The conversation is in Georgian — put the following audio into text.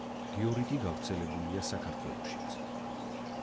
დიორიტი გავრცელებულია საქართველოშიც.